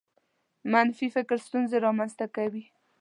منفي فکر ستونزې رامنځته کوي.